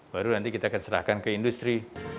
baru nanti kita akan serahkan ke industri